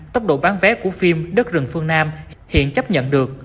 tốc độ bán vé của phim đất rừng phương nam hiện chấp nhận được